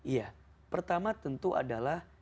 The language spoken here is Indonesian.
ya pertama tentu adalah